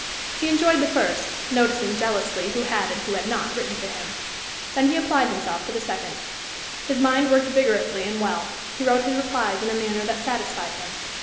He enjoyed the first, noticing jealously who had and who had not written to him; then he applied himself to the second. His mind worked vigorously and well; he wrote his replies in a manner that satisfied him.